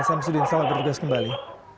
samsudin selamat berjaga jaga kembali